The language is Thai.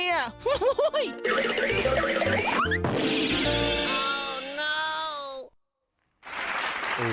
โอ้โอ้โอ้